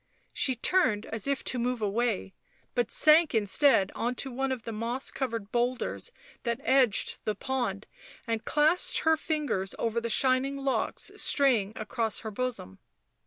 She turned as if to move away, but sank instead on to one of the moss covered boulders that edged the pond and clasped her fingers over the shining locks straying across her bosom.